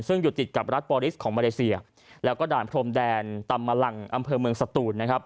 ซึ่งอยู่ติดกับรัฐปอลิสของเมืองเมืองเมืองเมืองสตูน